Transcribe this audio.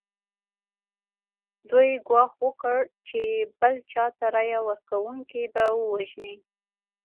دوی ګواښ وکړ چې بل چا ته رایه ورکونکي به ووژني.